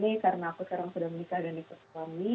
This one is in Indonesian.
tapi karena aku sekarang sudah menikah dan ikut suami